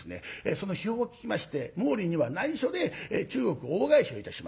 その悲報を聞きまして毛利には内緒で中国大返しをいたします。